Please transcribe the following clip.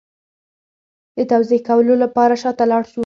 د توضیح لپاره شا ته لاړ شو